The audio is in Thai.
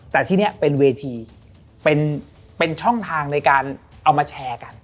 แต่ที่นี่เป็นเวทีเป็นช่องทางในการเอามาแชร์กัน